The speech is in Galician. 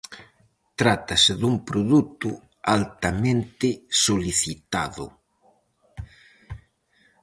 Trátase dun produto altamente solicitado.